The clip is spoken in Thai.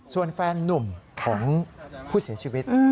ส่วนแฟนนุ่มของผู้เสียชีวิต